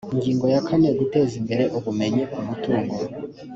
ingingo ya kane guteza imbere ubumenyi ku mutungo